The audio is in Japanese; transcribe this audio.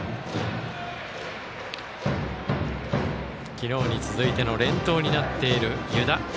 昨日に続いての連投になっている湯田。